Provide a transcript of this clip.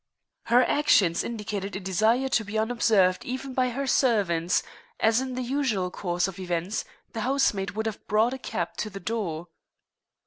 Her actions indicated a desire to be unobserved even by her servants, as in the usual course of events the housemaid would have brought a cab to the door.